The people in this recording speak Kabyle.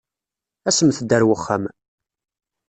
Asemt-d ar wexxam.